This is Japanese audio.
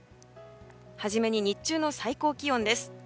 初めに日中の最高気温です。